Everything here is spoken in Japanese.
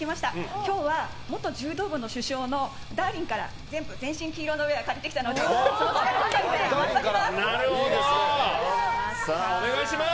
今日は元柔道部の主将のダーリンから全部全身黄色のウェアを借りてきたのでそれでは、お願いします！